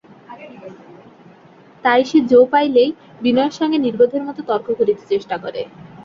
তাই সে জো পাইলেই বিনয়ের সঙ্গে নির্বোধের মতো তর্ক করিতে চেষ্টা করে।